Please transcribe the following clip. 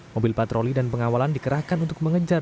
mobil patroli dan pengawalan dikerahkan untuk mengejar